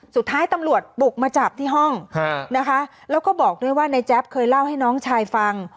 สุดท้ายตำรวจบุกมาจับที่ห้องนะคะแล้วก็บอกด้วยว่าในแจ๊บเคยเล่าให้น้องชายฟัง